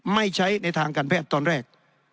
ไม่ใช้ในทางการแพทย์ตอนแรก